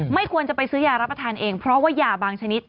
ไม่ควรจะไปซื้อยารับประทานเองเพราะว่ายาบางชนิด